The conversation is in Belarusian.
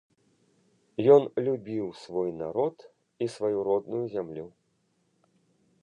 Ён любіў свой народ і сваю родную зямлю.